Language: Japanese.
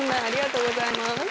ありがとうございます。